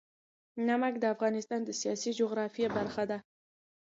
نمک د افغانستان د سیاسي جغرافیه برخه ده.